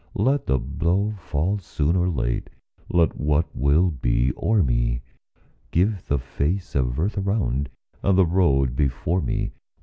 Let the blow fall soon or late, Let what will be o'er me; Give the face of earth around And the road before me.